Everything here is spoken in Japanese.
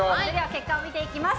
結果を見ていきます。